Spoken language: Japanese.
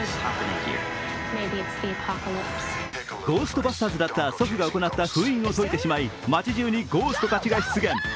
ゴーストバスターズだった祖父が行った封印を解いてしまい、街じゅうにゴーストたちが出現。